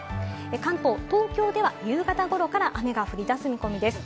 関東、東京では夕方頃から雨が降り出す見込みです。